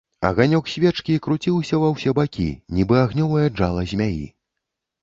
Аганёк свечкі круціўся ва ўсе бакі, нібы агнёвае джала змяі.